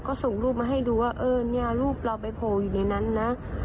ก็ส่งรูปมาให้ดูว่าเออเนี่ยรูปเราไปโผล่อยู่ในนั้นนะ